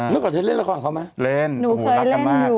นึกว่าเธอเล่นละครเขาไหม